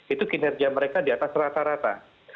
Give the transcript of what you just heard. itu kinerja mereka di atas rata rata